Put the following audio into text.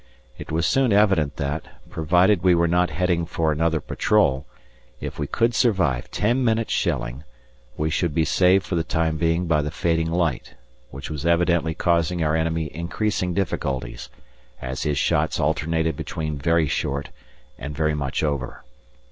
It was soon evident that, provided we were not heading for another patrol, if we could survive ten minutes' shelling, we should be saved for the time being by the fading light, which was evidently causing our enemy increasing difficulties, as his shots alternated between very short and very much over.